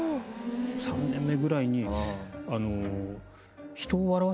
３年目ぐらいに。